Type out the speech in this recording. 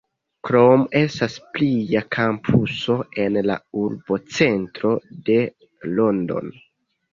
Krome, estas plia kampuso en la urbocentro de Londono.